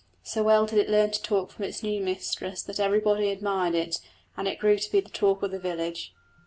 So well did it learn to talk from its new mistress that everybody admired it and it grew to be the talk of the village.